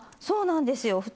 そうなんですよ。